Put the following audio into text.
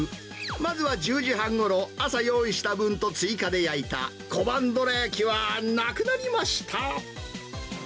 まずは１０時半ごろ、朝用意した分と追加で焼いた小判どらやきはなくなりました。